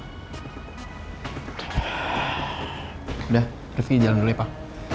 udah rifki jalan dulu ya pak